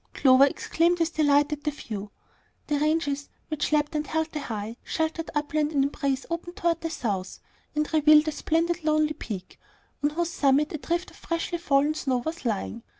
Clover exclaimed with delight at the view. The ranges which lapped and held the high, sheltered upland in embrace opened toward the south, and revealed a splendid lonely peak, on whose summit a drift of freshly fallen snow was lying.